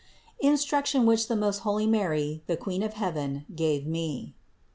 390 CITY OF GOD INSTRUCTION WHICH THE MOST HOLY MARY, THE QUEEN OF HEAVEN, GAVE ME.